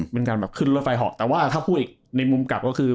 เป็นการแบบขึ้นรถไฟเหาะแต่ว่าถ้าพูดอีกในมุมกลับก็คือ